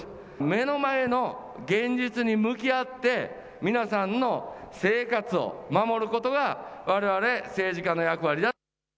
目の前の現実に向き合って皆さんの生活を守ることがわれわれ政治家の役割だ。